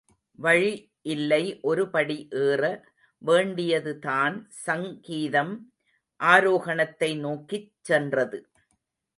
வழி இல்லை ஒரு படி ஏற வேண்டியது தான் சங் கீதம் ஆரோகணத்தை நோக்கிச் சென்றது.